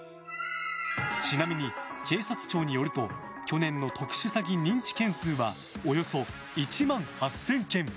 ちなみに警察庁によると去年の特殊詐欺認知件数はおよそ１万８０００件。